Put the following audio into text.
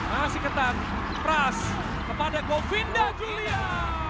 masih ketan pras kepada govinda julian